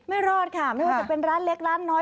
ไม่รอดค่ะไม่ว่าจะเป็นร้านเล็กร้านน้อย